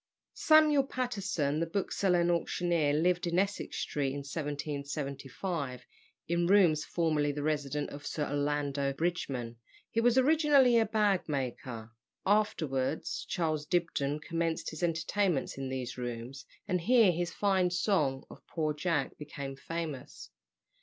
Samuel Patterson, the bookseller and auctioneer, lived in Essex Street, in 1775, in rooms formerly the residence of Sir Orlando Bridgeman. He was originally a bag maker. Afterwards Charles Dibdin commenced his entertainments in these rooms, and here his fine song of "Poor Jack" became famous.